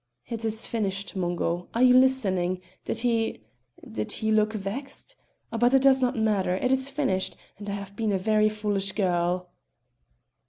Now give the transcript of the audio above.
It is finished, Mungo; are you listening? Did he did he looked vexed? But it does not matter, it is finished, and I have been a very foolish girl."